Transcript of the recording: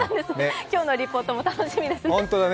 今日のリポートも楽しみですね。